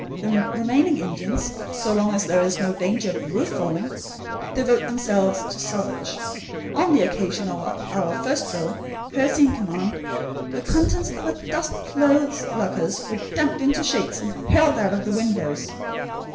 The remaining Indians, so long as there is no danger of the roof falling, devote themselves to salvage. On the occasion of our first drill, Percy in command, the contents of a dozen clothes lockers were dumped into sheets and hurled out of the windows.